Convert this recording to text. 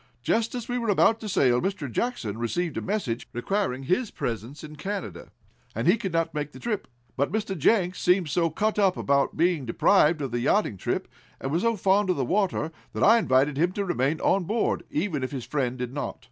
Just as we were about to sail Mr. Jackson received a message requiring his presence in Canada, and he could not make the trip." "But Mr. Jenks seemed so cut up about being deprived of the yachting trip, and was so fond of the water, that I invited him to remain on board, even if his friend did not.